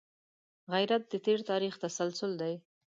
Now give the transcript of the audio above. غیرت د تېر تاریخ تسلسل دی